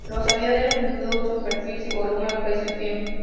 Las había de longitud, superficie, volumen, peso y tiempo.